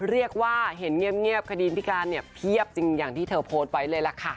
เรียกว่าเห็นเงียบคดีพิการเนี่ยเพียบจริงอย่างที่เธอโพสต์ไว้เลยล่ะค่ะ